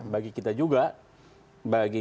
bagi kita juga bagi